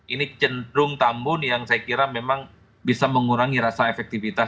ini cenderung tambun yang saya kira memang bisa mengurangi rasa efektivitas